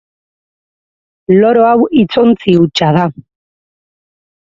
Loro hau hitzontzi hutsa da.